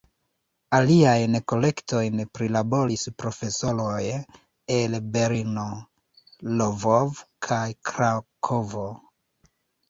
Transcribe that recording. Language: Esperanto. Aliajn kolektojn prilaboris profesoroj el Berlino, Lvovo kaj Krakovo.